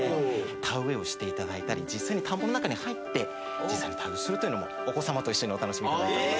田植えをしていただいたり実際に田んぼの中に入って実際に田植えするというのもお子さまと一緒にお楽しみいただけます。